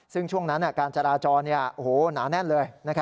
ซึ่งช่วงนั้นการจราจรหนาแน่นเลย